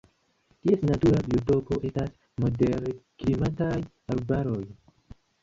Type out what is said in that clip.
Ties natura biotopo estas moderklimataj arbaroj.